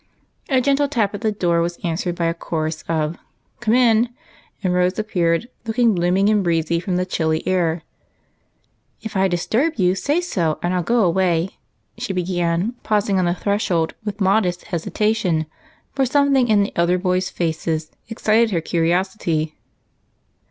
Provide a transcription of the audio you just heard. A gentle tap at the door was answered by a chorus of " Come in," and Rose appeared, looking blooming and breezy with the chilly air. " If I disturb you, say so, and I '11 go away," she began, pausing on the threshold with modest hesita tion, for something in the elder boys' faces excited her curiosity.